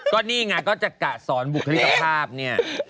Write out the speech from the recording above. ก็นี่ไงก็จะกะสอนบุคลิกภาพเนี่ย